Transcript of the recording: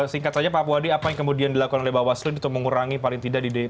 singkat saja pak apu hadi apa yang kemudian dilakukan oleh bawasloy untuk mengurangi paling tidak di dpr ri